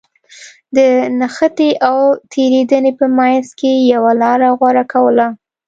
د نښتې او تېرېدنې په منځ کې يوه لاره غوره کوله.